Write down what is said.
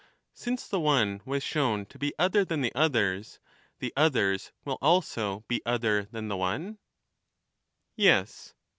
^ Since the one was shown to be other than the others, the itself and others will also be other than the one. one^lid^"^ Yes.